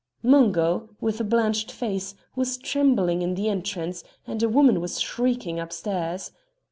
Mungo, with a blanched face, was trembling in the entrance, and a woman was shrieking upstairs.